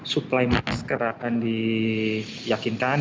supply masker akan diyakinkan